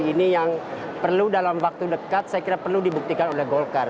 ini yang perlu dalam waktu dekat saya kira perlu dibuktikan oleh golkar